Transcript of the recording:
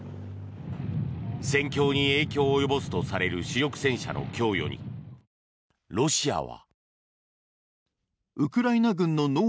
戦況に影響を及ぼすとされる主力戦車の供与にロシアは。